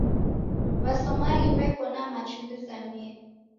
W'asomali w'eko na machu ghizamie.